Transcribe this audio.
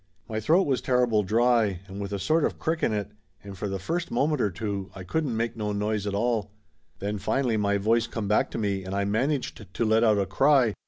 My throat was terrible dry and with a sort of crick in it, and for the first moment or two I couldn't make no noise at all. Then finally my voice come back to me and I managed to let out a cry.